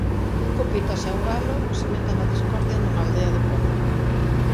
Cinco pitas e un galo sementan a discordia nunha aldea de Pol.